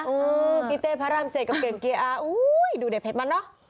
พี่เต้พระรามเจ็ดกับเก่งเกียร์อายดูเด็ดเผ็ดมันเนอะ